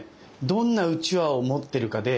どんなうちわを持ってるかで。